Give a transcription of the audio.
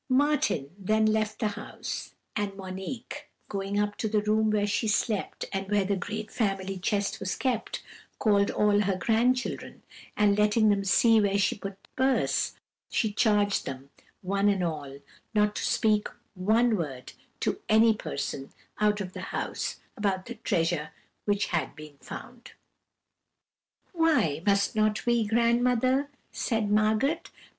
"Martin then left the house; and Monique, going up to the room where she slept, and where the great family chest was kept, called all her grandchildren, and letting them see where she put the purse, she charged them, one and all, not to speak one word to any person out of the house about the treasure which had been found. "'Why must not we, grandmother?' said Margot.